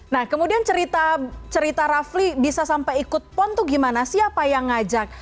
nah kemudian cerita rafli bisa sampai ikut pon tuh gimana sih apa yang ngajak